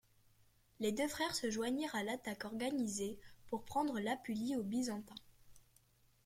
Les deux frères se joignirent à l'attaque organisée pour prendre l'Apulie aux Byzantins.